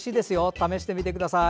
試してみてください。